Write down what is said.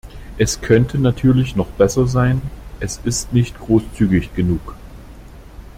Es könnte natürlich noch besser sein, es ist nicht großzügig genug.